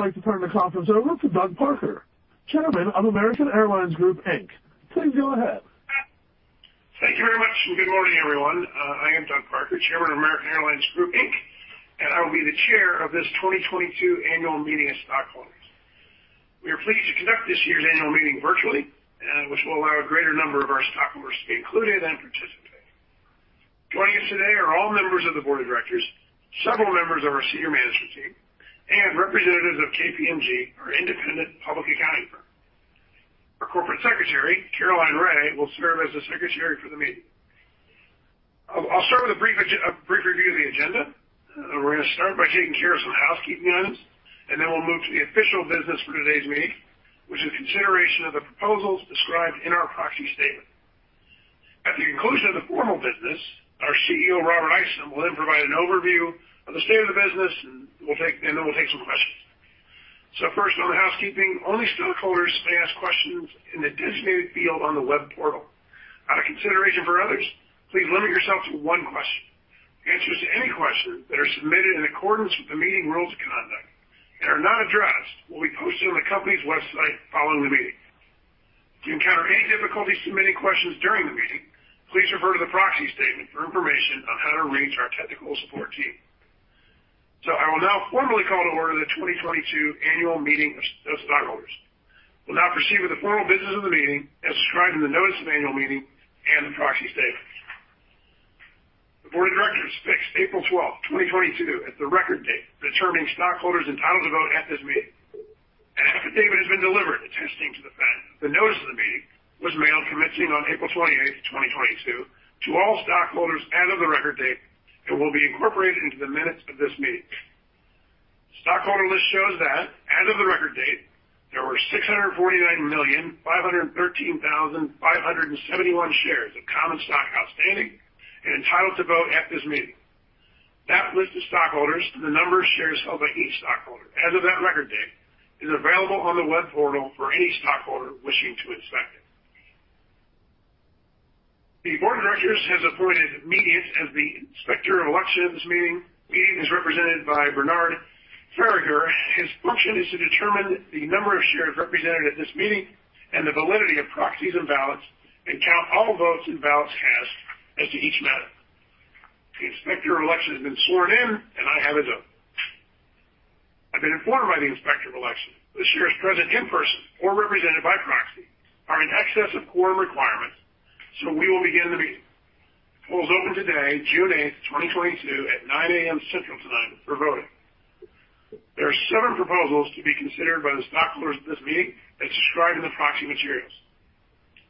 I'd like to turn the conference over to Doug Parker, Chairman of American Airlines Group, Inc. Please go ahead. Thank you very much, and good morning, everyone. I am Doug Parker, Chairman of American Airlines Group, Inc. I will be the chair of this 2022 annual meeting of stockholders. We are pleased to conduct this year's annual meeting virtually, which will allow a greater number of our stockholders to be included and participate. Joining us today are all members of the board of directors, several members of our senior management team, and representatives of KPMG, our independent public accounting firm. Our corporate secretary, Priya Aiyar, will serve as the secretary for the meeting. I'll start with a brief review of the agenda. We're gonna start by taking care of some housekeeping items, and then we'll move to the official business for today's meeting, which is consideration of the proposals described in our proxy statement. At the conclusion of the formal business, our CEO, Robert Isom, will then provide an overview of the state of the business, and then we'll take some questions. First on the housekeeping, only stockholders may ask questions in the designated field on the web portal. Out of consideration for others, please limit yourself to one question. Answers to any questions that are submitted in accordance with the meeting rules of conduct and are not addressed will be posted on the company's website following the meeting. If you encounter any difficulties submitting questions during the meeting, please refer to the proxy statement for information on how to reach our technical support team. I will now formally call to order the 2022 annual meeting of stockholders. We'll now proceed with the formal business of the meeting as described in the notice of annual meeting and the proxy statement. The board of directors fixed April 12, 2022 as the record date determining stockholders entitled to vote at this meeting. An affidavit has been delivered attesting to the fact that the notice of the meeting was mailed commencing on April 28th, 2022 to all stockholders as of the record date and will be incorporated into the minutes of this meeting. Stockholder list shows that as of the record date, there were 649,513,571 shares of common stock outstanding and entitled to vote at this meeting. That list of stockholders and the number of shares held by each stockholder as of that record date is available on the web portal for any stockholder wishing to inspect it. The board of directors has appointed Mediant as the inspector of election for the meeting. Mediant is represented by Bernard Faragher. His function is to determine the number of shares represented at this meeting and the validity of proxies and ballots, and count all votes and ballots cast as to each matter. The Inspector of Election has been sworn in, and I have as well. I've been informed by the Inspector of Election the shares present in person or represented by proxy are in excess of quorum requirements, so we will begin the meeting. The poll is open today, June 8, 2022 at 9:00 A.M. Central Time for voting. There are seven proposals to be considered by the stockholders of this meeting as described in the proxy materials.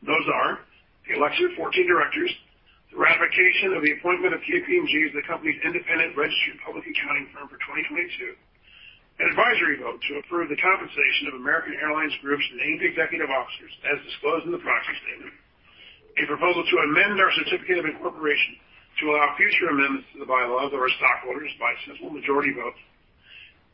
Those are the election of 14 directors, the ratification of the appointment of KPMG as the company's independent registered public accounting firm for 2022, an advisory vote to approve the compensation of American Airlines Group's named executive officers as disclosed in the proxy statement, a proposal to amend our certificate of incorporation to allow future amendments to the bylaws of our stockholders by a simple majority vote,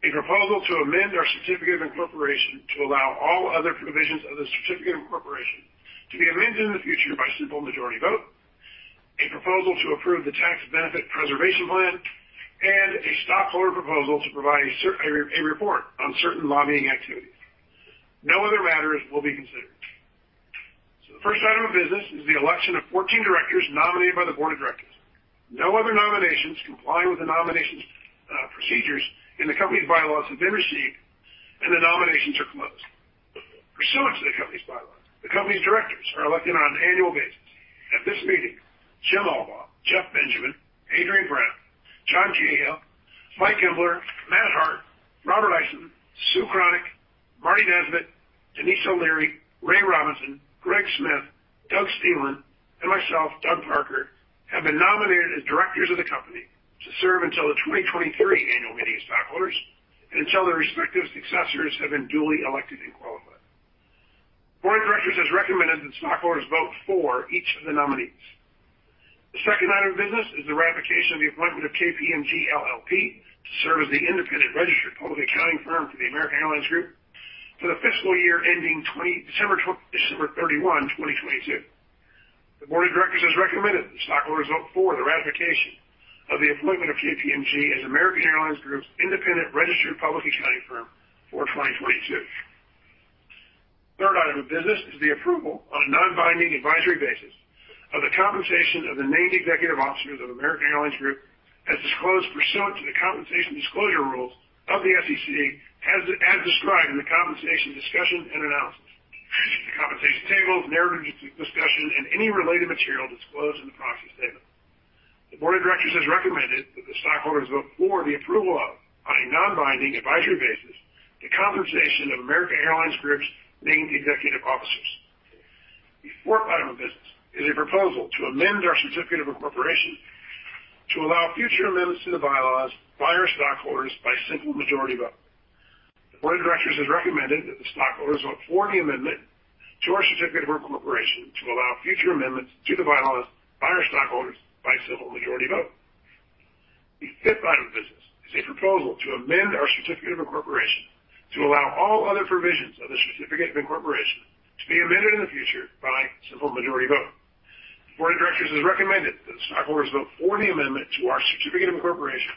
a proposal to amend our certificate of incorporation to allow all other provisions of the certificate of incorporation to be amended in the future by simple majority vote, a proposal to approve the Tax Benefit Preservation Plan, and a stockholder proposal to provide a report on certain lobbying activities. No other matters will be considered. The first item of business is the election of 14 directors nominated by the board of directors. No other nominations complying with the nominations, procedures in the company's bylaws have been received, and the nominations are closed. Pursuant to the company's bylaws, the company's directors are elected on an annual basis. At this meeting, Jim Albaugh, Jeff Benjamin, Adriane Brown, John Cahill, Mike Embler, Matt Hart, Robert Isom, Sue Kronick, Marty Nesbitt, Denise O'Leary, Ray Robinson, Greg Smith, Doug Steenland, and myself, Doug Parker, have been nominated as directors of the company to serve until the 2023 annual meeting of stockholders and until their respective successors have been duly elected and qualified. Board of Directors has recommended that stockholders vote for each of the nominees. The second item of business is the ratification of the appointment of KPMG LLP to serve as the independent registered public accounting firm for the American Airlines Group for the fiscal year ending December 31, 2022. The board of directors has recommended that the stockholders vote for the ratification of the appointment of KPMG as American Airlines Group's independent registered public accounting firm for 2022. The third item of business is the approval on a non-binding advisory basis of the compensation of the named executive officers of American Airlines Group as disclosed pursuant to the compensation disclosure rules of the SEC as described in the compensation discussion and analysis. The compensation tables, narrative discussion, and any related material disclosed in the proxy statement. The board of directors has recommended that the stockholders vote for the approval of, on a non-binding advisory basis, the compensation of American Airlines Group's named executive officers. The fourth item of business is a proposal to amend our certificate of incorporation to allow future amendments to the bylaws by our stockholders by simple majority vote. The board of directors has recommended that the stockholders vote for the amendment to our certificate of incorporation to allow future amendments to the bylaws by our stockholders by simple majority vote. The fifth item of business is a proposal to amend our certificate of incorporation to allow all other provisions of the certificate of incorporation to be amended in the future by simple majority vote. Board of Directors has recommended that stockholders vote for the amendment to our certificate of incorporation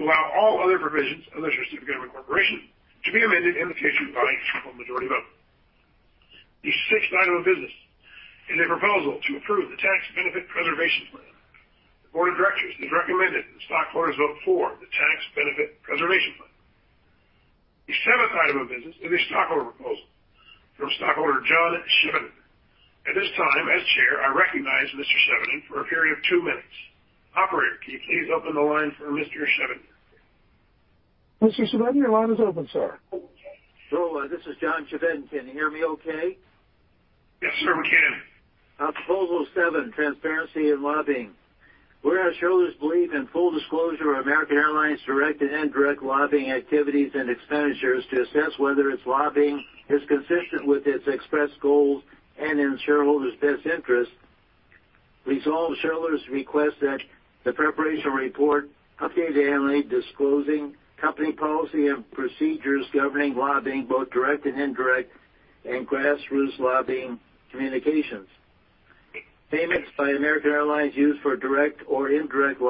to allow all other provisions of the certificate of incorporation to be amended in the case you vote a majority vote. The sixth item of business is a proposal to approve the Tax Benefit Preservation Plan. The board of directors has recommended that stockholders vote for the Tax Benefit Preservation Plan. The seventh item of business is a stockholder proposal from stockholder John Chevedden. At this time, as chair, I recognize Mr. Chevedden for a period of two minutes. Operator, can you please open the line for Mr. Chevedden? Mr. Chevedden, your line is open, sir. Hello, this is John Chevedden. Can you hear me okay? Yes, sir, we can. Proposal seven, transparency in lobbying. Whereas shareholders believe in full disclosure of American Airlines direct and indirect lobbying activities and expenditures to assess whether its lobbying is consistent with its expressed goals and in shareholders' best interest. Resolved, shareholders request that the Board prepare a report describing company policy and procedures governing lobbying, both direct and indirect, and grassroots lobbying communications. Payments by American Airlines used for direct or indirect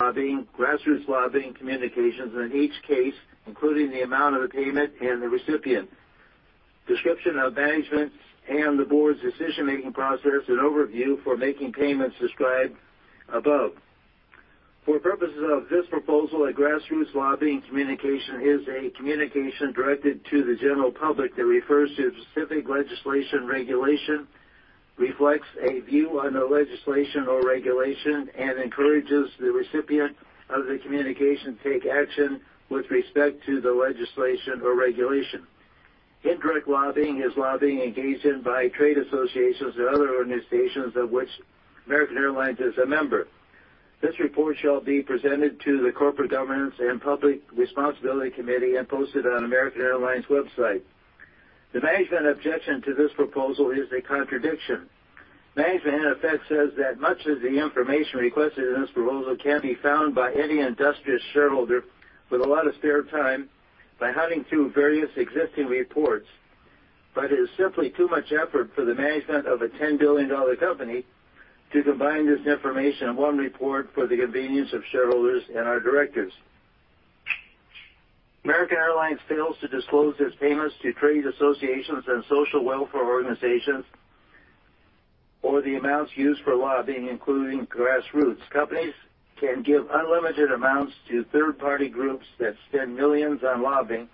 lobbying, grassroots lobbying communications in each case, including the amount of the payment and the recipient. Description of management and the Board's decision-making process and oversight for making payments described above. For purposes of this proposal, a grassroots lobbying communication is a communication directed to the general public that refers to specific legislation or regulation, reflects a view on the legislation or regulation, and encourages the recipient of the communication to take action with respect to the legislation or regulation. Indirect lobbying is lobbying engaged in by trade associations or other organizations of which American Airlines is a member. This report shall be presented to the Corporate Governance and Public Responsibility Committee and posted on American Airlines' website. The management objection to this proposal is a contradiction. Management in effect says that much of the information requested in this proposal can be found by any industrious shareholder with a lot of spare time by hunting through various existing reports. It is simply too much effort for the management of a $10 billion-dollar company to combine this information in one report for the convenience of shareholders and our directors. American Airlines fails to disclose its payments to trade associations and social welfare organizations or the amounts used for lobbying, including grassroots. Companies can give unlimited amounts to third-party groups that spend millions on lobbying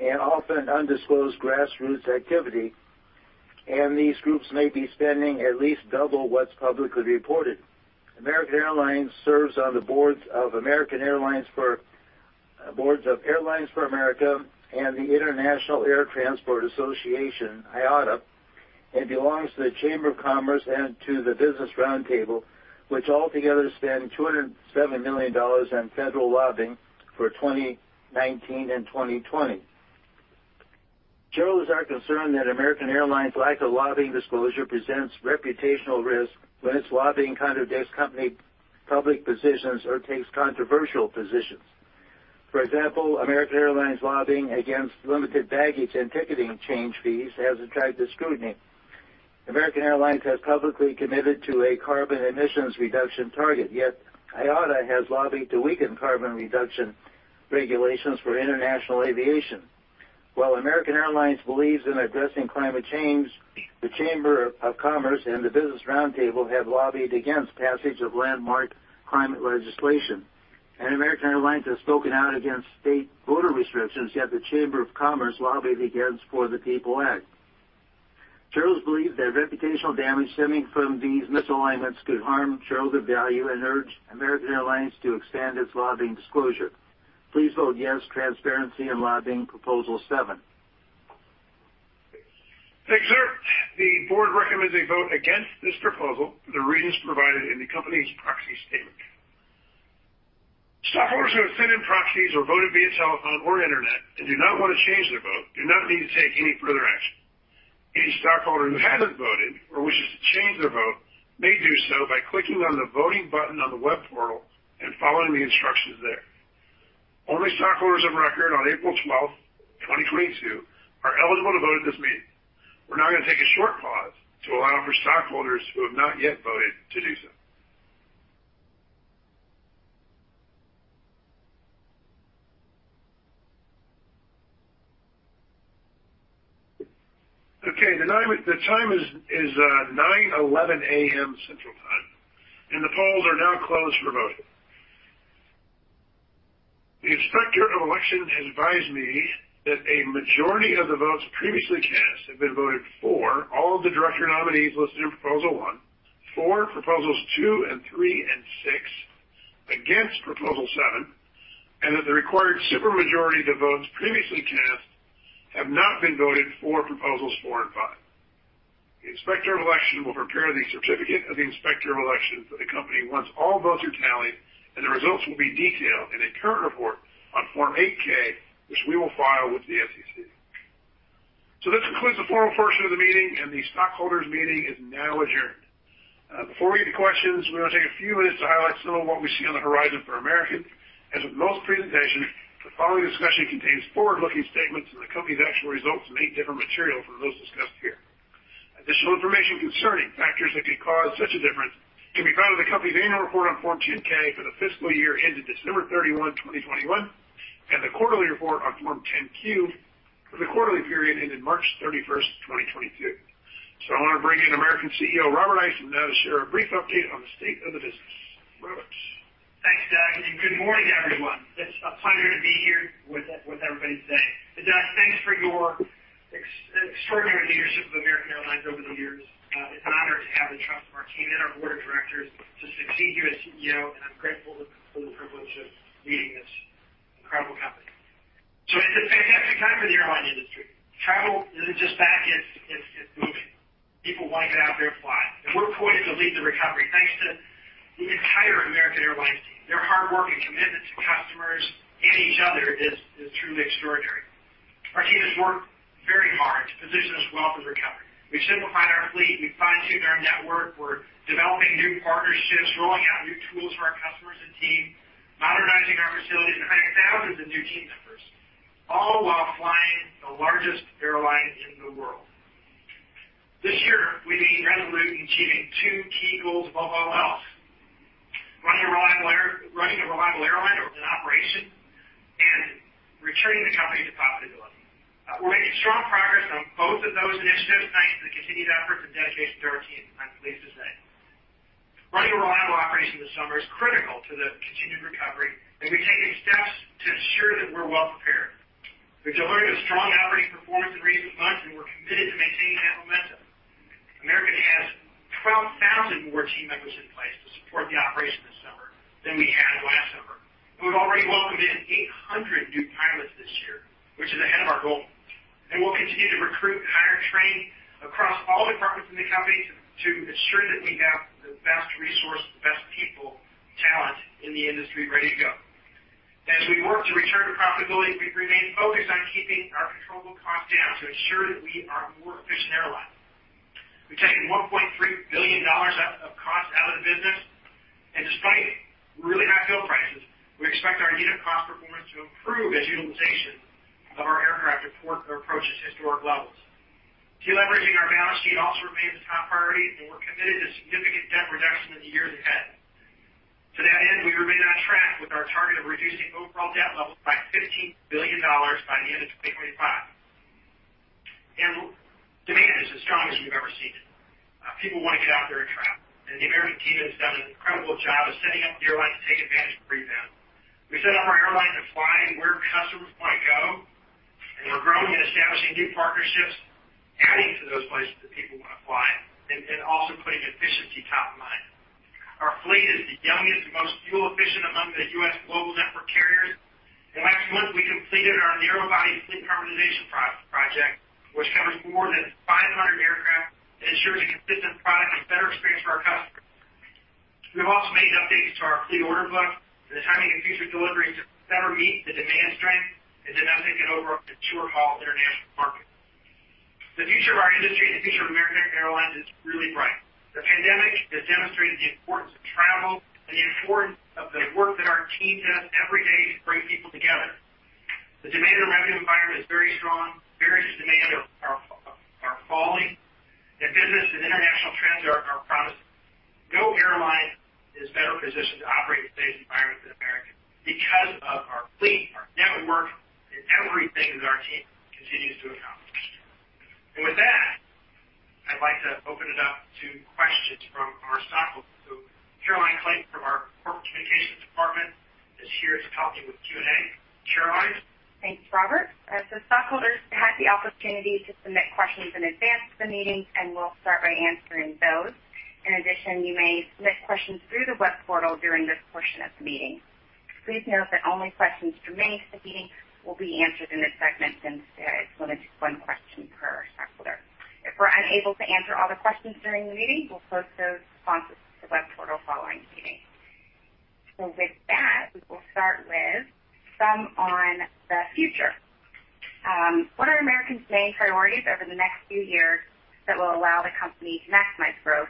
and often undisclosed grassroots activity, and these groups may be spending at least double what's publicly reported. American Airlines serves on the boards of Airlines for America and the International Air Transport Association, IATA. It belongs to the Chamber of Commerce and to the Business Roundtable, which altogether spend $207 million on federal lobbying for 2019 and 2020. Shareholders are concerned that American Airlines lack of lobbying disclosure presents reputational risk when its lobbying contradicts company public positions or takes controversial positions. For example, American Airlines lobbying against limited baggage and ticketing change fees has attracted scrutiny. American Airlines has publicly committed to a carbon emissions reduction target, yet IATA has lobbied to weaken carbon reduction regulations for international aviation. While American Airlines believes in addressing climate change, the Chamber of Commerce and the Business Roundtable have lobbied against passage of landmark climate legislation, and American Airlines has spoken out against state voter restrictions, yet the Chamber of Commerce lobbied against For the People Act. Shareholders believe that reputational damage stemming from these misalignments could harm shareholder value and urge American Airlines to expand its lobbying disclosure. Please vote yes transparency in lobbying Proposal seven. Thanks sir. The board recommends a vote against this proposal for the reasons provided in the company's proxy statement. Stockholders who have sent in proxies or voted via telephone or internet and do not want to change their vote do not need to take any further action. Any stockholder who hasn't voted or wishes to change their vote may do so by clicking on the voting button on the web portal and following the instructions there. Only stockholders of record on April 12, 2022 are eligible to vote at this meeting. We're now gonna take a short pause to allow for stockholders who have not yet voted to do so. Okay. The time is 9:11 A.M. Central Time, and the polls are now closed for voting. The inspector of election has advised me that a majority of the votes previously cast have been voted for all of the director nominees listed in Proposal One, for Proposals Two and Three and Six, against Proposal Seven, and that the required super majority of the votes previously cast have not been voted for Proposals Four and Five. The inspector of election will prepare the certificate of the inspector of elections for the company once all votes are tallied, and the results will be detailed in a current report on Form 8-K, which we will file with the SEC. This concludes the formal portion of the meeting and the stockholders meeting is now adjourned. Before we get to questions, we want to take a few minutes to highlight some of what we see on the horizon for American. As with most presentations The following discussion contains forward-looking statements, and the company's actual results may differ materially from those discussed here. Additional information concerning factors that could cause such a difference can be found in the company's annual report on Form 10-K for the fiscal year ended December 31, 2021, and the quarterly report on Form 10-Q for the quarterly period ended March 31, 2022. I wanna bring in American CEO Robert Isom now to share a brief update on the state of the business. Robert. Thanks Doug and good morning everyone. It's a pleasure to be here with everybody today. Doug, thanks for your extraordinary leadership of American Airlines over the years. It's an honor to have the trust of our team and our board of directors to succeed you as CEO, and I'm grateful for the privilege of leading this incredible company. It's a fantastic time for the airline industry. Travel isn't just back, it's moving. People wanna get out there and fly, and we're poised to lead the recovery thanks to the entire American Airlines team. Their hard work and commitment to customers and each other is truly extraordinary. Our team has worked very hard to position us well for the recovery. We've simplified our fleet, we've fine-tuned our network, we're developing new partnerships, rolling out new tools for our customers and team, modernizing our facilities, and hiring thousands of new team members, all while flying the largest airline in the world. This year, we've been resolute in achieving two key goals above all else, running a reliable airline or an operation and returning the company to profitability. We're making strong progress on both of those initiatives thanks to the continued efforts and dedication to our team, I'm pleased to say. Running a reliable operation this summer is critical to the continued recovery, and we're taking steps to ensure that we're well-prepared. We've delivered a strong operating performance in recent months, and we're committed to maintaining that momentum. American has 12,000 more team members in place to support the operation this summer than we had last summer. We've already welcomed in 800 new pilots this year, which is ahead of our goal. We'll continue to recruit and hire and train across all departments in the company to ensure that we have the best resource, the best people, talent in the industry ready to go. As we work to return to profitability, we've remained focused on keeping our controllable costs down to ensure that we are a more efficient airline. We've taken $1.3 billion out of costs out of the business. Despite really high fuel prices, we expect our unit cost performance to improve as utilization of our aircraft approach its historic levels. Deleveraging our balance sheet also remains a top priority, and we're committed to significant debt reduction in the years ahead. To that end, we remain on track with our target of reducing overall debt levels by $15 billion by the end of 2025. Demand is as strong as we've ever seen it. People wanna get out there and travel, and the American team has done an incredible job of setting up the airline to take advantage of rebound. We set up our airline to fly where customers wanna go, and we're growing and establishing new partnerships, adding to those places that people wanna fly and also putting efficiency top of mind. Our fleet is the youngest and most fuel-efficient among the U.S. global network carriers. In the last month, we completed our narrowbody fleet harmonization program which covers more than 500 aircraft and ensures a consistent product and better experience for our customers. We've also made updates to our fleet order book and the timing of future deliveries to better meet strong demand and to capitalize on a maturing long-haul international market. The future of our industry and the future of American Airlines is really bright. The pandemic has demonstrated the importance of travel and the importance of the work that our team does every day to bring people together. The demand and revenue environment is very strong. Leisure demand is strong, and business and international trends are promising. No airline is better positioned to operate in today's environment than American because of our fleet, our network, and everything that our team continues to accomplish. With that, I'd like to open it up to questions from our stockholders. Caroline Clayton from our corporate communications department is here to help me with Q&A. Caroline. Thanks Robert. Stockholders had the opportunity to submit questions in advance of the meeting, and we'll start by answering those. In addition, you may submit questions through the web portal during this portion of the meeting. Please note that only questions submitted to the meeting will be answered in this segment since it's limited to one question per stockholder. If we're unable to answer all the questions during the meeting, we'll post those responses to the web portal following the meeting. With that, we will start with some on the future. What are American's main priorities over the next few years that will allow the company to maximize growth,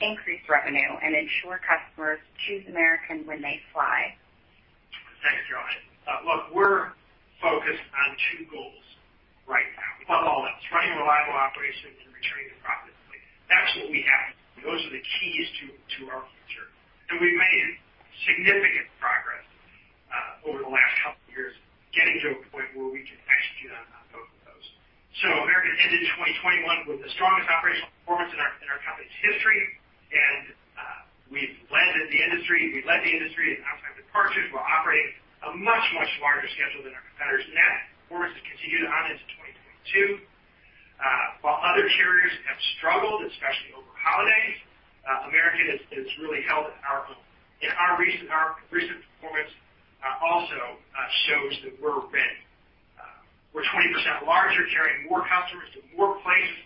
increase revenue, and ensure customers choose American when they fly? Thanks Caroline. Look, we're focused on two goals right now above all else, running reliable operations and returning to profitability. That's what we have. Those are the keys to our future. We've made significant progress over the last couple of years getting to a point where we can execute on both of those. American ended 2021 with the strongest operational performance in our company's history, and we've led the industry. We led the industry in on-time departures. We're operating a much larger schedule than our competitors. That performance has continued on into 2022. While other carriers have struggled, especially over holidays, American has really held its own. Our recent performance also shows that we're ready. We're 20% larger, carrying more customers to more places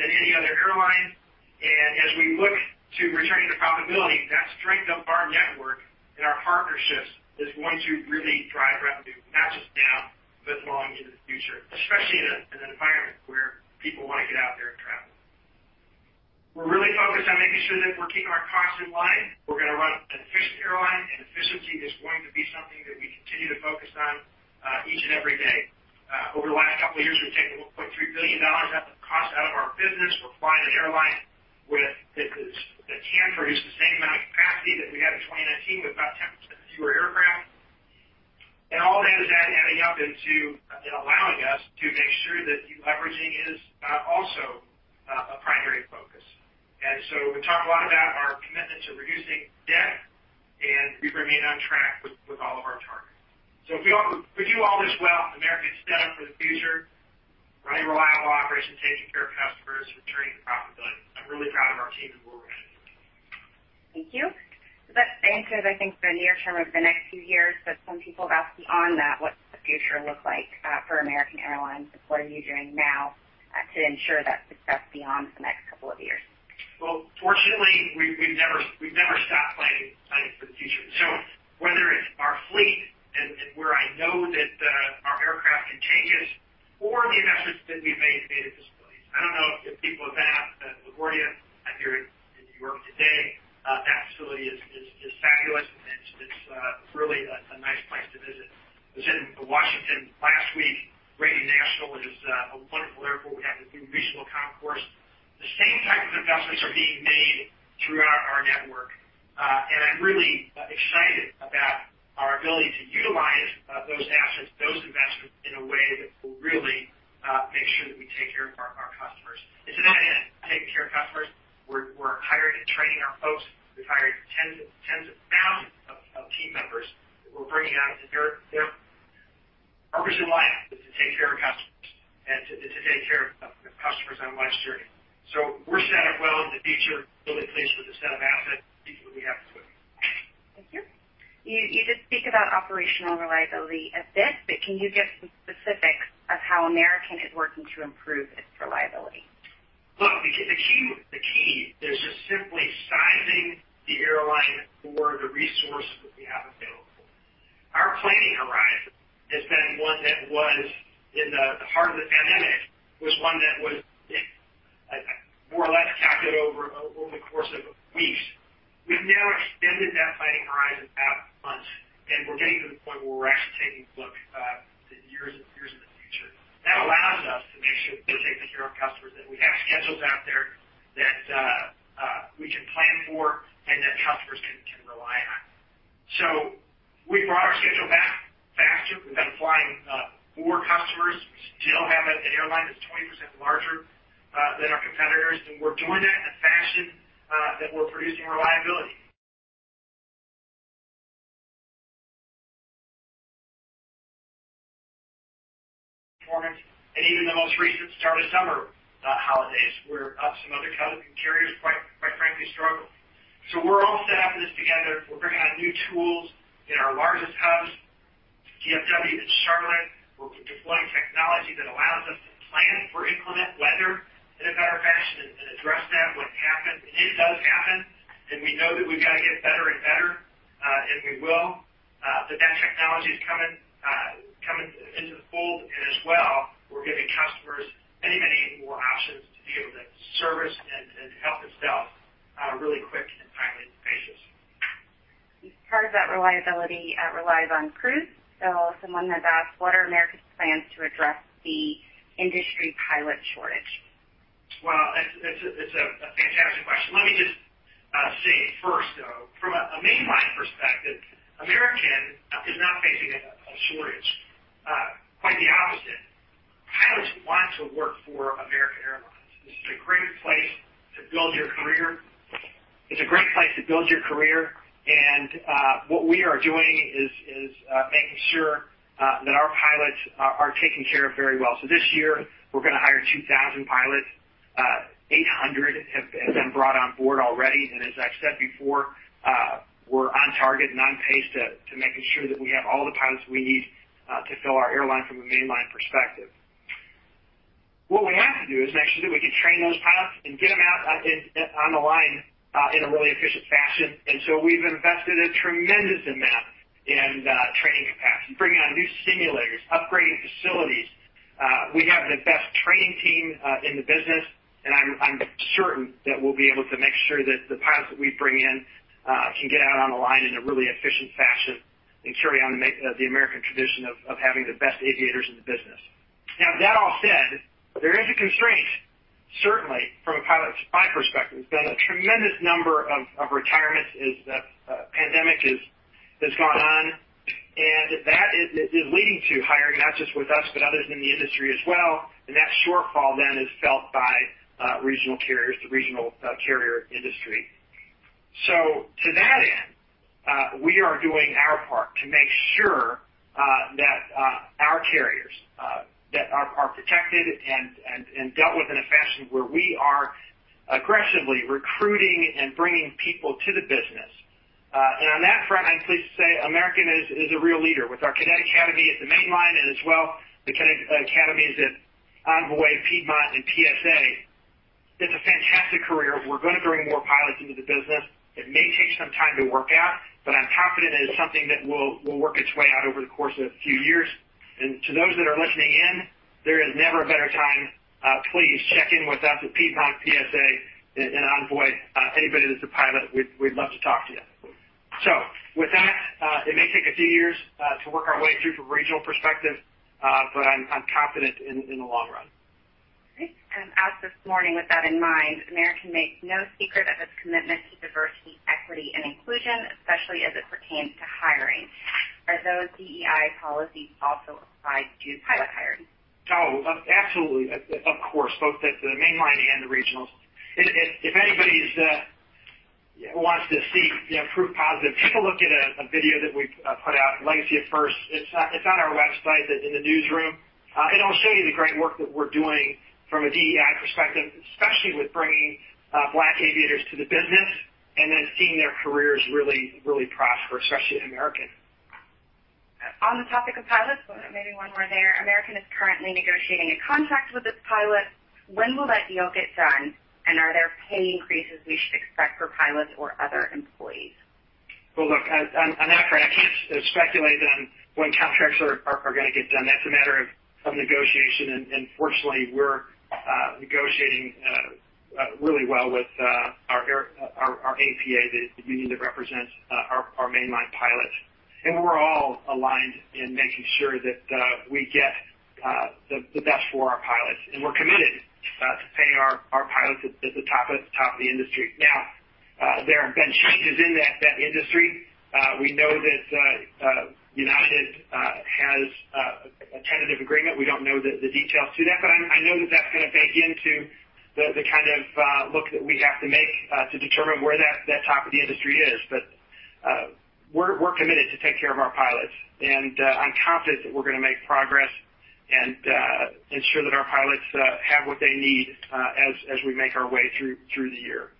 than any other airline. As we look to returning to profitability, that strength of our network and our partnerships Reagan National is a wonderful airport. We have the new regional concourse. The same type of investments are being made throughout our network and I'm really excited about our ability to utilize those assets, those investments in a way that will really make sure that we take care of our customers. To that end, taking care of customers, we're hiring and training our folks. We've hired tens and tens of thousands of team members that we're bringing on because their purpose in life is to take care of customers and to take care of customers on life's journey. We're set up well in the future, really pleased with the set of assets we have to work with. Thank you. You did speak about operational reliability a bit, but can you give some specifics of how American is working to improve its reliability? Look, the key is just simply sizing the airline for the resources that we have available. Our planning horizon has been one that was in the heart of the pandemic, more or less calculated over the course of weeks. We've now extended that into the fold. As well, we're giving customers many more options to be able to service and help themselves really quick and timely and spacious. Part of that reliability relies on crews. Someone had asked, what are American's plans to address the industry pilot shortage? Well, it's a fantastic question. Let me just say first, though, from a mainline perspective, American is not facing a shortage. Quite the opposite. Pilots want to work for American Airlines. This is a great place to build your career. It's a great place to build your career and what we are doing is making sure that our pilots are taken care of very well. This year we're gonna hire 2,000 pilots. 800 have been brought on board already. As I've said before, we're on target and on pace to making sure that we have all the pilots we need to fill our airline from a mainline perspective. What we have to do is make sure that we can train those pilots and get them out on the line in a really efficient fashion. We've invested a tremendous amount in training capacity, bringing on new simulators, upgrading facilities. We have the best training team in the business, and I'm certain that we'll be able to make sure that the pilots that we bring in can get out on the line in a really efficient fashion and carry on the American tradition of having the best aviators in the business. Now, that all said, there is a constraint, certainly from a pilot supply perspective. There's been a tremendous number of retirements as the pandemic has gone on, and that is leading to hiring not just with us, but others in the industry as well. That shortfall then is felt by regional carriers, the regional carrier industry. To that end, we are doing our part to make sure that our carriers that are protected and dealt with in a fashion where we are aggressively recruiting and bringing people to the business. On that front, I'm pleased to say American is a real leader with our Cadet Academy at the mainline and as well the cadet academies at Envoy, Piedmont and PSA. It's a fantastic career. We're gonna bring more pilots into the business and make sure it's time to work out, but I'm confident it is something that will work its way out over the course of a few years. To those that are listening in, there is never a better time. Please check in with us at Piedmont, PSA, and Envoy. Anybody that's a pilot, we'd love to talk to you. With that, it may take a few years to work our way through from a regional perspective, but I'm confident in the long run. Great. As of this morning, with that in mind, American makes no secret of its commitment to diversity, equity, and inclusion, especially as it pertains to hiring. Are those DEI policies also applied to pilot hiring? Absolutely. Of course, both at the mainline and the regionals. If anybody wants to see, you know, proof positive, take a look at a video that we've put out, Legacy of Firsts. It's on our website that's in the newsroom. It'll show you the great work that we're doing from a DEI perspective, especially with bringing Black aviators to the business and then seeing their careers really, really prosper, especially at American. On the topic of pilots, maybe one more there. American is currently negotiating a contract with its pilots. When will that deal get done? And are there pay increases we should expect for pilots or other employees? Well, look, on that front, I can't speculate on when contracts are gonna get done. That's a matter of some negotiation, and fortunately, we're negotiating really well with our APA, the union that represents our mainline pilots. We're all aligned in making sure that we get the best for our pilots. We're committed to paying our pilots at the top of the industry. Now, there have been changes in that industry. We know that United has a tentative agreement. We don't know the details to that, but I know that that's gonna bake into the kind of look that we have to make to determine where that top of the industry is. We're committed to take care of our pilots, and I'm confident that we're gonna make progress and ensure that our pilots have what they need, as we make our way through the year.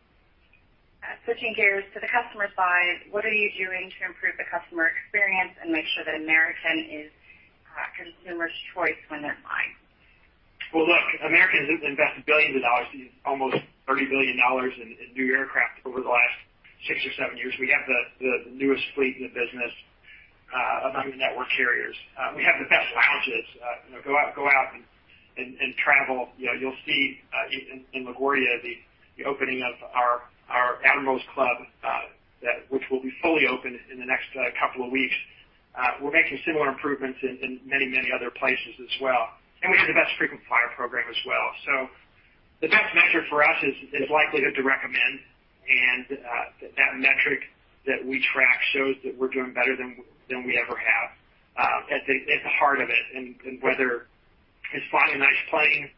Switching gears to the customer side, what are you doing to improve the customer experience and make sure that American is, consumers' choice when they're flying? Well, look, American has invested billions of dollars, almost $30 billion in new aircraft over the last six or seven years. We have the newest fleet in the business among the network carriers. We have the best lounges. You know, go out and travel, you know, you'll see in LaGuardia, the opening of our Admirals Club, which will be fully open in the next couple of weeks. We're making similar improvements in many other places as well. We have the best frequent flyer program as well. The best measure for us is likelihood to recommend. That metric that we track shows that we're doing better than we ever have at the heart of it. Whether it's flying a nice plane,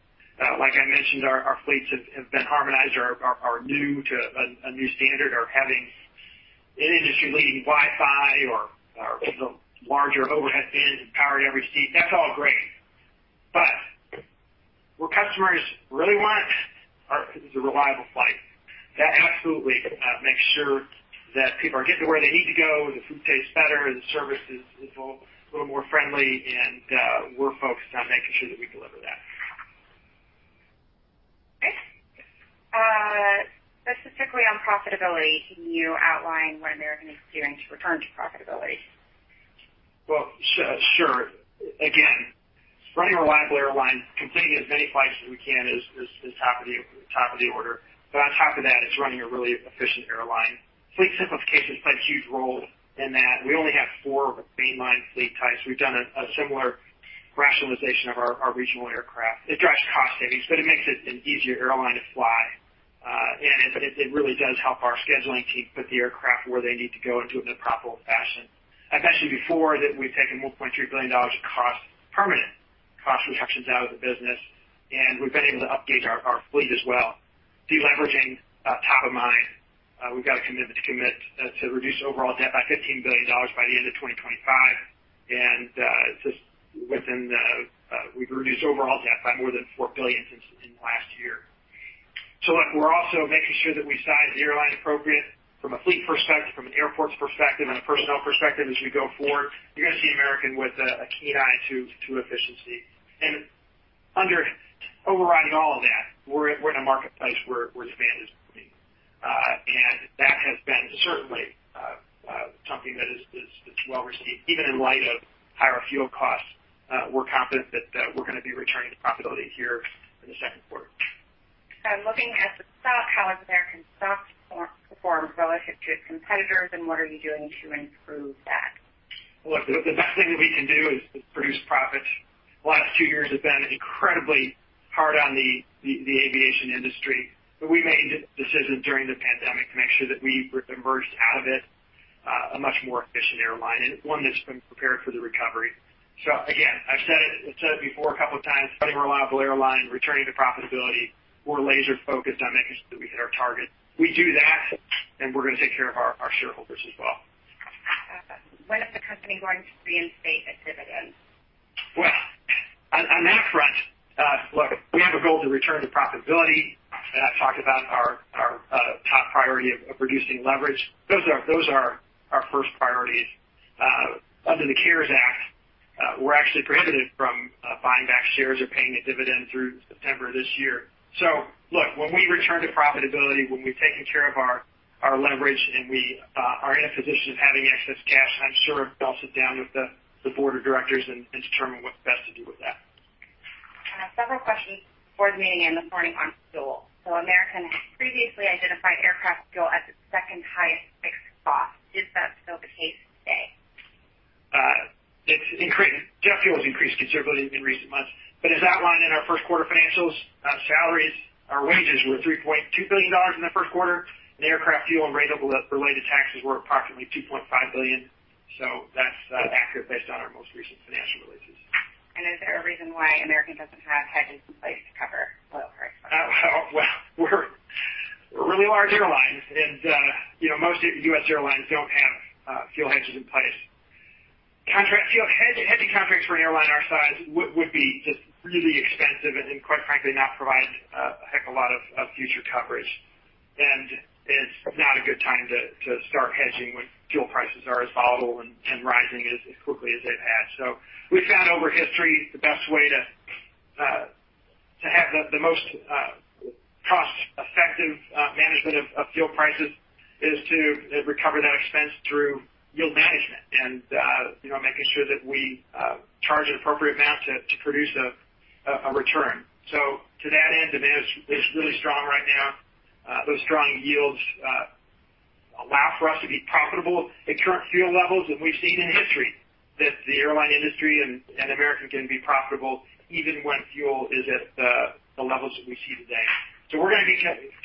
like I mentioned, our fleets have been harmonized, are new to a new standard, or having an industry-leading Wi-Fi or the larger overhead bins and power to every seat. That's all great. What customers really want is a reliable flight. That absolutely makes sure that people are getting to where they need to go, the food tastes better, the service is a little more friendly, and we're focused on making sure that we deliver that. Okay. Specifically on profitability, can you outline what American is doing to return to profitability? Well, sure. Again, running a reliable airline, completing as many flights as we can is top of the order. On top of that is running a really efficient airline. Fleet simplification plays a huge role in that. We only have four mainline fleet types. We've done a similar rationalization of our regional aircraft. It drives cost savings, but it makes it an easier airline to fly. It really does help our scheduling team put the aircraft where they need to go and do it in a profitable fashion. I've mentioned before that we've taken $1.3 billion of permanent cost reductions out of the business, and we've been able to update our fleet as well. Deleveraging top of mind, we've got a commitment to reduce overall debt by $15 billion by the end of 2025. We've reduced overall debt by more than $4 billion in the last year. Look, we're also making sure that we size the airline appropriate from a fleet perspective, from an airports perspective and a personnel perspective as we go forward. You're gonna see American with a keen eye to efficiency. Overriding all of that, we're in a marketplace where demand is booming. That has been certainly something that is well received. Even in light of higher fuel costs, we're confident that we're gonna be returning to profitability here in the second quarter. Looking at the stock, how has American stock performed relative to its competitors, and what are you doing to improve that? Look, the best thing that we can do is produce profits. The last two years have been incredibly hard on the aviation industry, but we made decisions during the pandemic to make sure that we emerged out of it, a much more efficient airline and one that's been prepared for the recovery. Again, I've said it before a couple of times, running a reliable airline, returning to profitability. We're laser-focused on making sure that we hit our targets. We do that, and we're gonna take care of our shareholders as well. When is the company going to reinstate a dividend? Well, on that front, look, we have a goal to return to profitability. I've talked about our top priority of reducing leverage. Those are our first priorities. We're actually prohibited from buying back shares or paying a dividend through September this year. Look, when we return to profitability, when we've taken care of our leverage and we are in a position of having excess cash, I'm sure I'll sit down with the board of directors and determine what's best to do with that. I have several questions before the meeting and this morning on fuel. American has previously identified aircraft fuel as its second highest fixed cost. Is that still the case today? It's increased. Jet fuel has increased considerably in recent months. As outlined in our first quarter financials, salaries or wages were $3.2 billion in the first quarter, and aircraft fuel and related taxes were approximately $2.5 billion. That's accurate based on our most recent financial releases. Is there a reason why American doesn't have hedges in place to cover oil price? Well, we're a really large airline, and you know, most US airlines don't have fuel hedges in place. Fuel hedging contracts for an airline our size would be just really expensive and quite frankly, not provide a heck of a lot of future coverage. It's not a good time to start hedging when fuel prices are as volatile and rising as quickly as they've had. We found over history, the best way to have the most cost-effective management of fuel prices is to recover that expense through yield management and you know, making sure that we charge an appropriate amount to produce a return. To that end, demand is really strong right now. Those strong yields allow for us to be profitable at current fuel levels than we've seen in history. That the airline industry and American can be profitable even when fuel is at the levels that we see today. We're gonna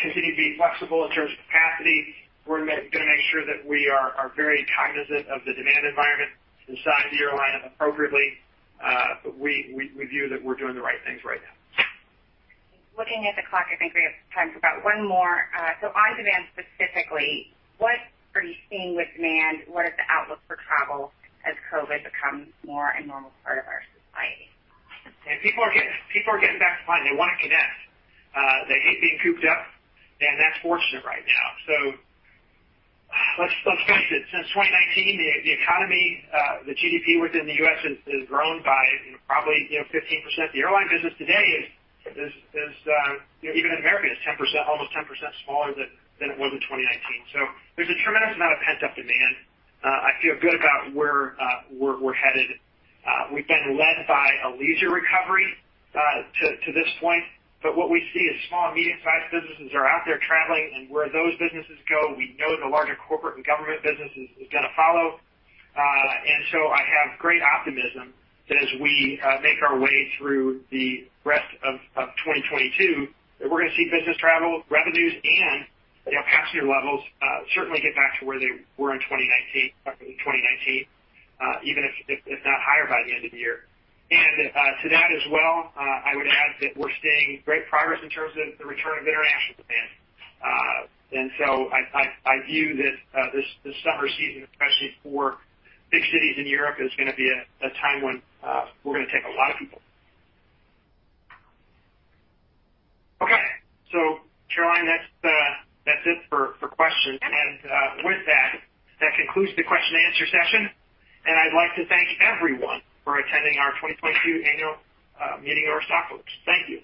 continue to be flexible in terms of capacity. We're gonna make sure that we are very cognizant of the demand environment and size the airline appropriately. We view that we're doing the right things right now. Looking at the clock, I think we have time for about one more. On demand specifically, what are you seeing with demand? What is the outlook for travel as COVID becomes more a normal part of our society? People are getting back to flying. They wanna connect. They hate being cooped up, and that's fortunate right now. Let's face it, since 2019, the economy, the GDP within the U.S. has grown by, you know, probably, you know, 15%. The airline business today is, even in America, 10%, almost 10% smaller than it was in 2019. There's a tremendous amount of pent-up demand. I feel good about where we're headed. We've been led by a leisure recovery to this point. What we see is small and medium-sized businesses are out there traveling. Where those businesses go, we know the larger corporate and government business is gonna follow. I have great optimism that as we make our way through the rest of 2022, that we're gonna see business travel revenues and, you know, passenger levels certainly get back to where they were in 2019, even if not higher by the end of the year. I would add that we're seeing great progress in terms of the return of international demand. I view that this summer season, especially for big cities in Europe, is gonna be a time when we're gonna take a lot of people. Okay. Caroline, that's it for questions. With that concludes the question and answer session. I'd like to thank everyone for attending our 2022 annual meeting of our stockholders. Thank you.